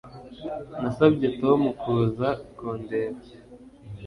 Nasabye Tom kuza kundeba